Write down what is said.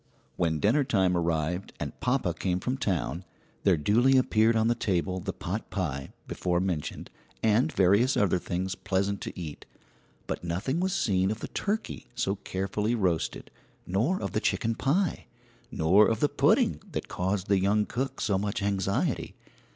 When dinner time arrived and papa came from town, there duly appeared on the table the potpie before mentioned, and various other things pleasant to eat, but nothing was seen of the turkey so carefully roasted nor of the chicken pie, nor of the pudding that caused the young cook so much anxiety.